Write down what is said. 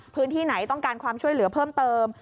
พื้นที่ไหนต้องการความช่วยเหลือเพิ่มเติม